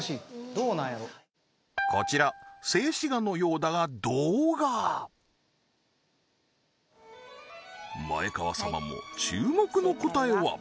どうなんやろこちら静止画のようだが動画前川様も注目の答えは？